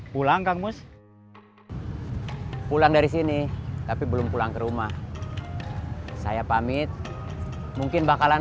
pulang kang mus pulang dari sini tapi belum pulang ke rumah saya pamit mungkin bakalan